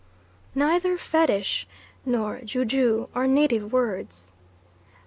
Neither "fetish" nor "ju ju" are native words.